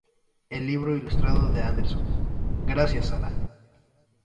El libro ilustrado de Anderson, "¡Gracias, Sarah!